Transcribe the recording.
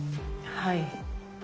はい。